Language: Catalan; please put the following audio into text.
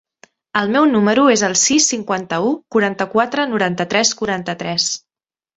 El meu número es el sis, cinquanta-u, quaranta-quatre, noranta-tres, quaranta-tres.